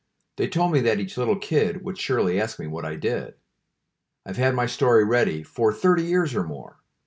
They told me that each little kid Would surely ask me what I did. "I've had my story ready For thirty years or more."